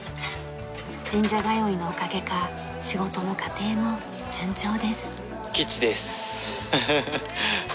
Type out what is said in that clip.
神社通いのおかげか仕事も家庭も順調です。